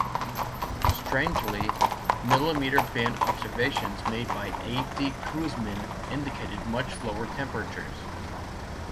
Strangely, millimetre-band observations made by A. D. Kuzmin indicated much lower temperatures.